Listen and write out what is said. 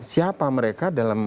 siapa mereka dalam